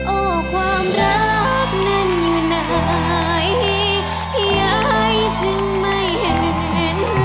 โอ้ความรับนั้นอยู่ไหนพี่ไอ้จึงไม่เห็น